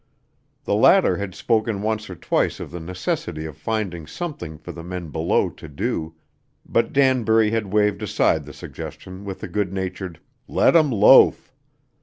The latter had spoken once or twice of the necessity of finding something for the men below to do, but Danbury had waved aside the suggestion with a good natured "Let 'em loaf."